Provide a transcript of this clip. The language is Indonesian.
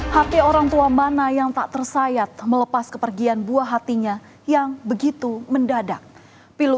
hai hati orangtua mana yang tak tersayat melepas kepergian buah hatinya yang begitu mendadak pilu